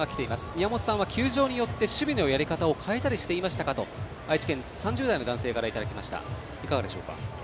宮本さんは球場によって守備のやり方を変えたりしていましたかと愛知県３０代の男性からいただきましたがいかがでしょうか。